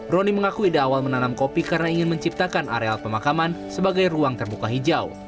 roni mengaku ide awal menanam kopi karena ingin menciptakan areal pemakaman sebagai ruang terbuka hijau